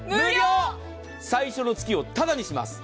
最初の月をタダにします。